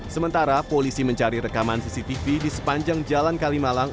sementara polisi mencari rekaman cctv di sepanjang jalan kalimalang